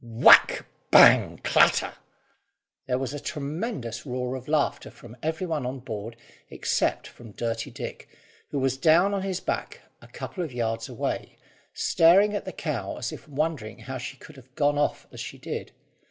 Whack! Bang! Clatter! There was a tremendous roar of laughter from every one on board except from Dirty Dick, who was down on his back a couple of yards away, staring at the cow as if wondering how she could have gone off as she did.